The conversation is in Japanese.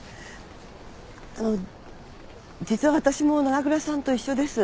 あのう実は私も長倉さんと一緒です。